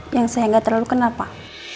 yang saya nggak terlalu kenal pak